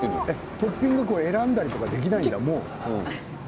トッピングを選んだりできないんだ？